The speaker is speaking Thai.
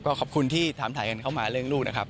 ก็ขอบคุณที่ถามถ่ายกันเข้ามาเรื่องลูกนะครับ